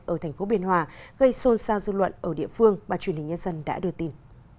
ở thành phố biên hòa gây xôn xao dư luận ở địa phương mà truyền hình nhân dân đã đưa tin